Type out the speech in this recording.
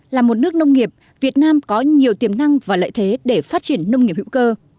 là một nước nông nghiệp việt nam có nhiều tiềm năng và lợi thế để phát triển nông nghiệp hữu cơ